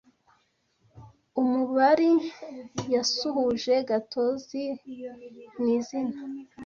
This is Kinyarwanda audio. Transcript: Umubari yasuhuje Gatozi mwizina.